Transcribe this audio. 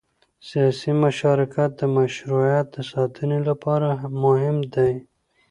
سیاسي مشارکت د مشروعیت د ساتنې لپاره مهم دی